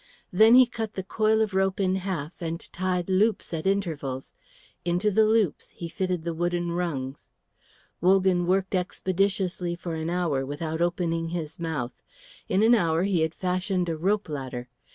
Then he cut the coil of rope in half and tied loops at intervals; into the loops he fitted the wooden rungs. Wogan worked expeditiously for an hour without opening his mouth. In an hour he had fashioned a rope ladder.